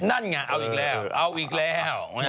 นั่นไงเอาอีกแล้วเอาอีกแล้ว